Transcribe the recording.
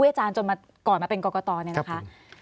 เวชาจนก่อนมาเป็นกรกตร